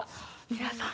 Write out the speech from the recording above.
皆さん。